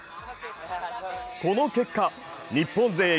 この結果、日本勢４